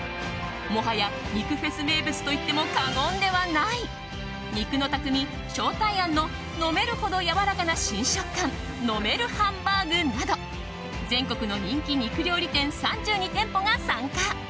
もはや肉フェス名物と言っても過言ではない肉の匠将泰庵の飲めるほどやわらかな新食感飲めるハンバーグなど全国の人気肉料理店３２店舗が参加。